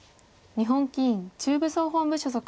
日本棋院中部総本部所属。